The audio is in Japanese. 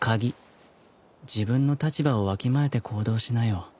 自分の立場をわきまえて行動しなよ。